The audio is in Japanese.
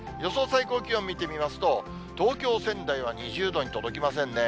最高気温見てみますと、東京、仙台は２０度に届きませんね。